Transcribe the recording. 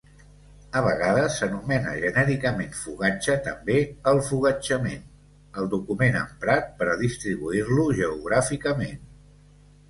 A vegades s'anomena genèricament fogatge també el fogatjament, el document emprat per a distribuir-lo geogràficament.